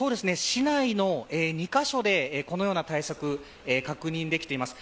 市内の２カ所でこのような対策確認できています。